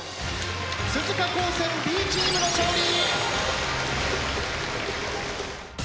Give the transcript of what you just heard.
鈴鹿高専Ｂチームの勝利。